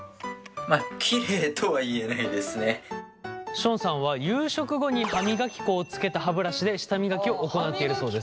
ションさんは夕食後に歯磨き粉をつけた歯ブラシで舌磨きを行っているそうです。